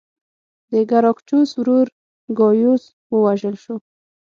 د ګراکچوس ورور ګایوس ووژل شو